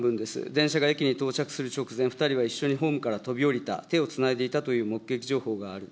電車が駅に到着する直前、２人は一緒にホームから飛び降りた、手をつないでいたという目撃情報がある。